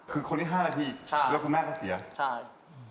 คือคนที่๕นาทีแล้วพ่อแม่ก็เสีย